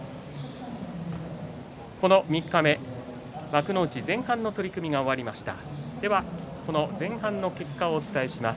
この三日目幕内前半の取組が終わりました。